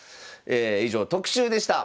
以上特集でした。